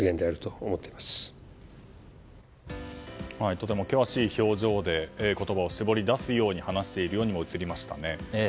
とても険しい表情で言葉を絞り出すように話しているようにも映りましたね。